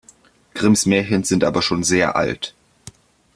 Grimms Märchen sind aber schon sehr alt.